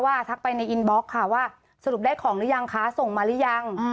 ทักไปในอินบล็อกค่ะว่าสรุปได้ของหรือยังคะส่งมาหรือยัง